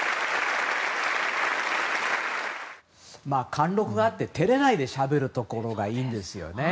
貫禄があって照れないでしゃべるところがいいんですよね。